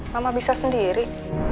mama bisa sendiri